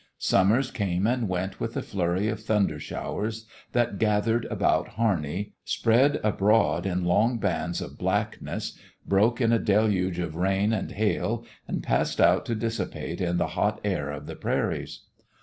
Summers came and went with a flurry of thunder showers that gathered about Harney, spread abroad in long bands of blackness, broke in a deluge of rain and hail and passed out to dissipate in the hot air of the prairies.